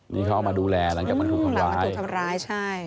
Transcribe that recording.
นี่เขามาดูแลหลังจากมันทำร้ายหลังจากตัวทำร้ายใช่